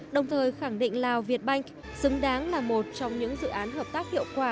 đồng thời khẳng định lào việt banh xứng đáng là một trong những dự án hợp tác hiệu quả